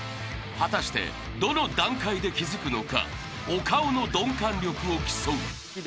［果たしてどの段階で気付くのかお顔の鈍感力を競う］